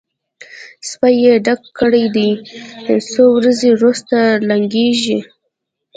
سپۍ یې ډکه کړې ده؛ څو ورځې روسته لنګېږي.